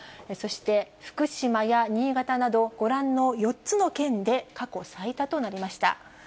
そして福島や新潟など、ご覧の４つの県で過去最多となりました。